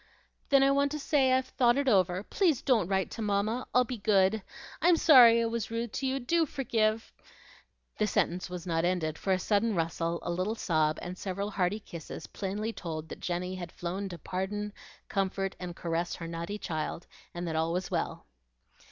"Then I want to say, I've thought it over. Please DON'T write to mamma. I'll be good. I'm sorry I was rude to you; do forgive " The sentence was not ended, for a sudden rustle, a little sob, and several hearty kisses plainly told that Jenny had flown to pardon, comfort, and caress her naughty child, and that all was well.